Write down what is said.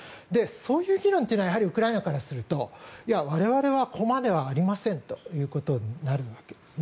そういう議論というのはやはりウクライナからすると我々は駒ではありませんとなるわけです。